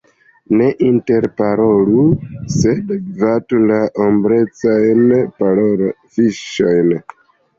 Ne interparolu, sed gvatu la ombrecajn fiŝojn!